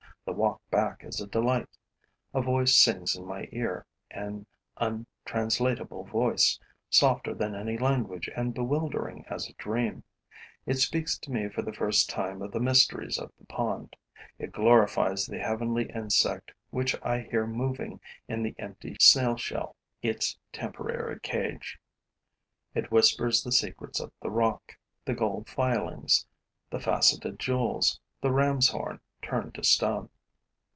The walk back is a delight. A voice sings in my ear, an untranslatable voice, softer than any language and bewildering as a dream. It speaks to me for the first time of the mysteries of the pond; it glorifies the heavenly insect which I hear moving in the empty snail shell, its temporary cage; it whispers the secrets of the rock, the gold filings, the faceted jewels, the ram's horn turned to stone.